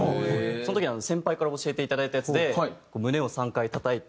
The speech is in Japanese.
その時先輩から教えていただいたやつで胸を３回たたいて。